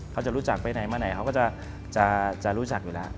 เขาจะรู้จักไปไหนมาไหนเขาก็จะรู้จักอยู่แล้ว